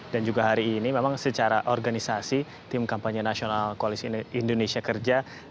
dan juga hari ini memang secara organisasi tim kampanye nasional koalisi indonesia kerja